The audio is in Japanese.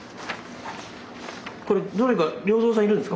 これどれが良三さんいるんですか？